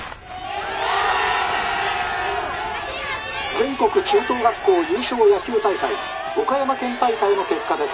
「全国中等学校優勝野球大会岡山県大会の結果です。